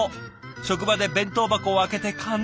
職場で弁当箱を開けて感動。